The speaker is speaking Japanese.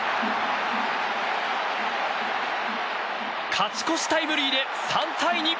勝ち越しタイムリーで３対２！